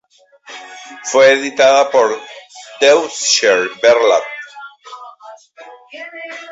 Fue editada por Deutscher Verlag.